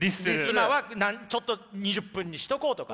今はちょっと２０分にしとこうとか。